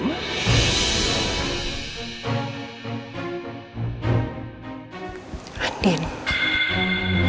mbak andien yang kebetulan ada di mall itu juga